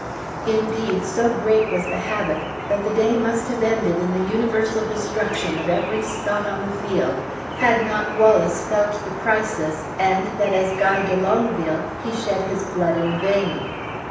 Indeed, so great was the havoc, that the day must have ended in the universal destruction of every Scot on the field, had not Wallace felt the crisis, and that as Guy de Longueville he shed his blood in vain.